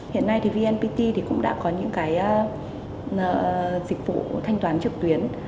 hiện nay thì vnpt thì cũng đã có những cái dịch vụ thanh toán